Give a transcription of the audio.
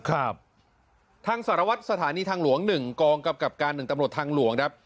ครับทางสารวัตรสถานีทางหลวงหนึ่งกองกำกับการหนึ่งตำรวจทางหลวงครับ